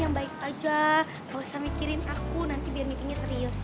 nanti biar meetingnya serius